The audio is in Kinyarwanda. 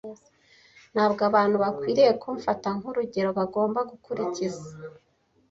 Ntabwo abantu bakwiriye kumfata nk’urugero bagomba gukurikiza”